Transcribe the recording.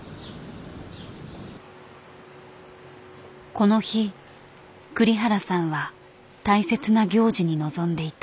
この日栗原さんは大切な行事に臨んでいた。